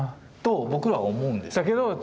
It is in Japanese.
と僕は思うんですけど。